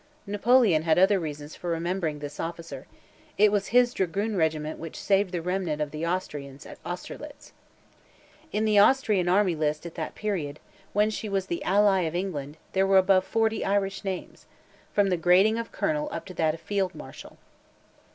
Napoleon had other reasons for remembering this officer; it was his dragoon regiment which saved the remnant of the Austrians, at Austerlitz. In the Austrian army list at that period, when she was the ally of England, there were above forty Irish names, from the grading of Colonel up to that of Field Marshal.